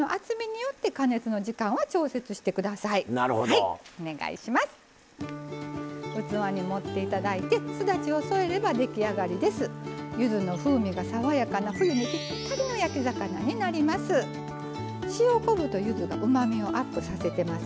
ゆずの風味が爽やかな冬にぴったりな焼き魚になります。